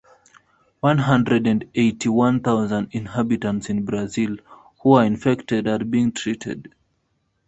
One hundred and eighty-one thousand inhabitants in Brazil who were infected are being treated.